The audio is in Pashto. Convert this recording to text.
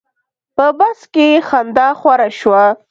په بس کې خندا خوره شوه.